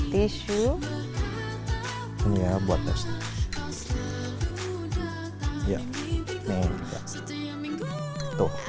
tissue ini ya buat